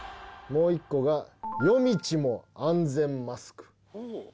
もう１個が、夜道も安全マスク。